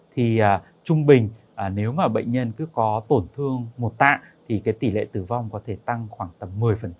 thì trung bình nếu bệnh nhân cứ có tổn thương một tạng tỷ lệ tử vong có thể tăng khoảng tầm một mươi